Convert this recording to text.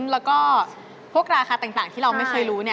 แล้วก็พวกราคาต่างที่เราไม่เคยรู้